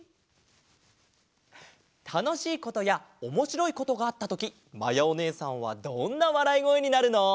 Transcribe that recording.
たのしいことやおもしろいことがあったときまやおねえさんはどんなわらいごえになるの？